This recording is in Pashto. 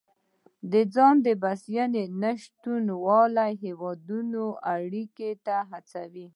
د ځان بسیاینې نشتوالی هیوادونه اړیکو ته هڅوي